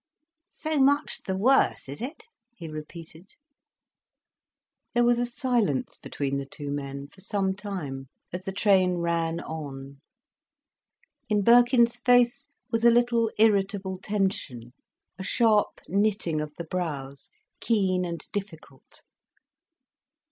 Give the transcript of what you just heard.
"So much the worse, is it?" he repeated. There was a silence between the two men for some time, as the train ran on. In Birkin's face was a little irritable tension, a sharp knitting of the brows, keen and difficult.